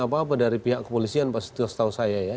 apa apa dari pihak kepolisian pasti setahu saya ya